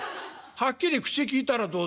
はっきり口きいたらどうだよ」。